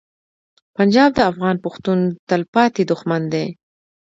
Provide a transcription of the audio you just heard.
پنجاب د افغان پښتون تلپاتې دښمن دی.